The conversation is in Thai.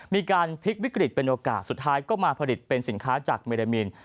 มีการพลิกวิกฤตเป็นโอกาสสุดท้ายก็มาผลิตเป็นสินค้าจากเมดามีน